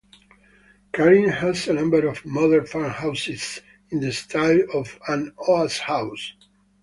Caring has a number of modern farmhouses, in the style of an Oast house.